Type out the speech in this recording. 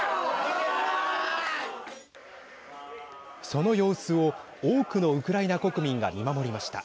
その様子を多くのウクライナ国民が見守りました。